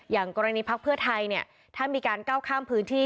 อย่างกรณีพักเพื่อไทยเนี่ยถ้ามีการก้าวข้ามพื้นที่